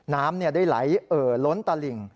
น้ำได้ไหลเอ่อล้นตลิ่ง